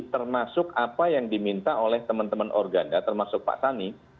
termasuk apa yang diminta oleh teman teman organda termasuk pak sani